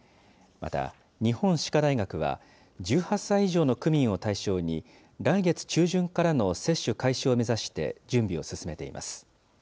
また、日本歯科大学は、１８歳以上の区民を対象に、来月中旬からの接種開始を目指して準備を進めています。